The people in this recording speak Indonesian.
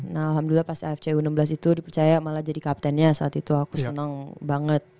nah alhamdulillah pas afc u enam belas itu dipercaya malah jadi kaptennya saat itu aku senang banget